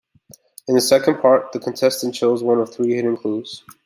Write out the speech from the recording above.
In the second part, the contestant chose one of three hidden clues.